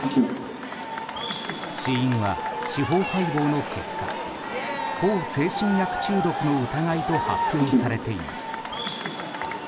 死因は、司法解剖の結果向精神薬中毒の疑いと発表されています。